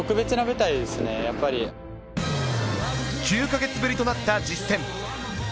９か月ぶりとなった実践。